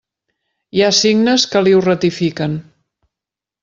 Hi ha signes que li ho ratifiquen.